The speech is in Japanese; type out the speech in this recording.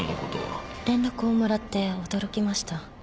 連絡をもらって驚きました。